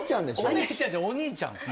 お姉ちゃんじゃお兄ちゃんです